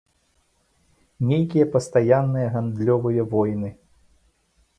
Нейкія пастаянныя гандлёвыя войны.